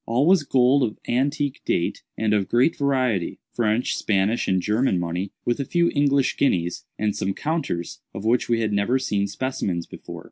All was gold of antique date and of great variety—French, Spanish, and German money, with a few English guineas, and some counters, of which we had never seen specimens before.